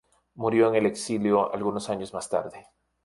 Murió en el exilio algunos años más tarde.